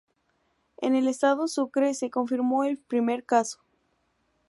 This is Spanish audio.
En el Estado Sucre se confirmó el primer caso.